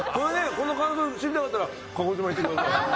この感想知りたかったら鹿児島行ってください。